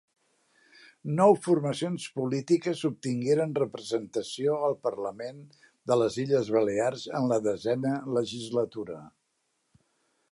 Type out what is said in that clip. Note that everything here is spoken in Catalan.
Nou formacions polítiques obtingueren representació al Parlament de les Illes Balears en la Desena Legislatura.